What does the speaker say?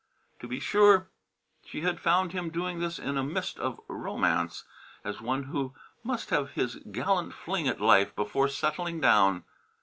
To be sure, she had found him doing this in a mist of romance, as one who must have his gallant fling at life before settling down.